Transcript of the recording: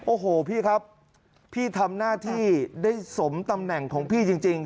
โอ้โหพี่ครับพี่ทำหน้าที่ได้สมตำแหน่งของพี่จริง